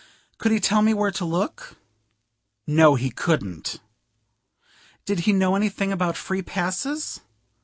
"Could he tell me where to look?" No, he couldn't. "Did he know anything about free passes?"